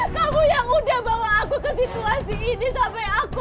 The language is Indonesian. kamu yang udah bawa aku ke situasi ini sampai aku